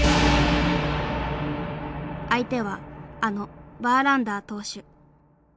相手はあのバーランダー投手。